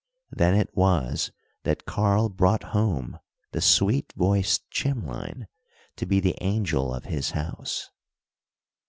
Then it was that Karl brought home the sweet voiced Chimlein to be the angel of his house.